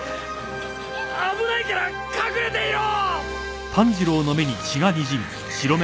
危ないから隠れていろ！